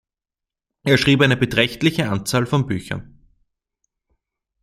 Er schrieb eine beträchtliche Anzahl von Büchern.